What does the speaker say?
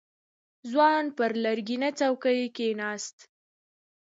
ځوان پر لرګينه څوکۍ کېناست.